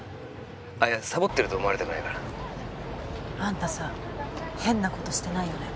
あっいやサボってると思われたくないからあんたさ変なことしてないよね？